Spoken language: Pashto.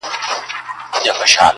ولاكه مو په كار ده دا بې ننگه ككرۍ.